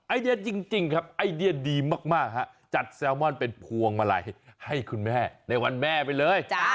ไอเดียจริงครับไอเดียดีมากฮะจัดแซลมอนเป็นพวงมาลัยให้คุณแม่ในวันแม่ไปเลย